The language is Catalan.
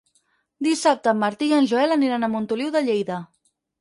Dissabte en Martí i en Joel aniran a Montoliu de Lleida.